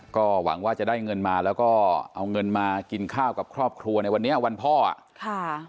ก็หวังว่าจะได้เงินมาแล้วก็เอาเงินมากินข้าวกับครอบครัวในวันนี้วันพ่ออ่ะค่ะ